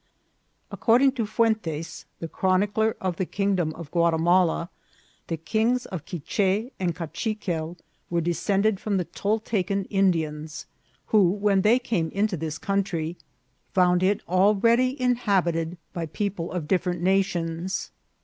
According to Fuentes, the chronicler of the king dom of Guatimala, the kings of Quiche and Kachiquel were descended from the Toltecan Indians, who, when they came into this country, found it already inhab 172 INCIDENTS OP TRAVEL. ited by people of different nations.